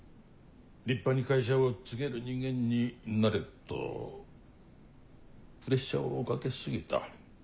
立派に会社を継げる人間になれとプレッシャーをかけ過ぎた。